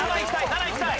７いきたい。